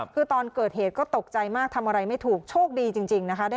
คือตอนเกิดเหตุก็ตกใจมากทำอะไรไม่ถูกโชคดีจริงนะคะ